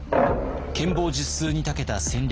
権謀術数に長けた戦略家。